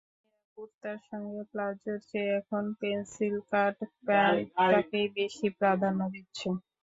মেয়েরা কুর্তার সঙ্গে পালাজ্জোর চেয়ে এখন পেনসিল কাট প্যান্টটাকেই বেশি প্রাধান্য দিচ্ছে।